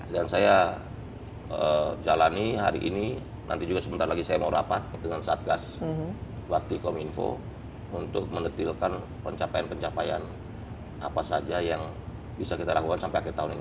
saya jalani hari ini nanti juga sebentar lagi saya mau rapat dengan satgas bakti kominfo untuk mendetilkan pencapaian pencapaian apa saja yang bisa kita lakukan sampai akhir tahun ini